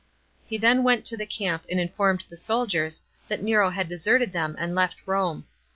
He then went to the camp and informed the soldiers that Nero had deserted them and left Rome.